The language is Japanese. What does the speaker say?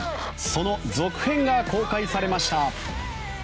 その続編が公開されました。